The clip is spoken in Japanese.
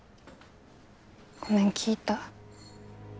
ごめん聞いた。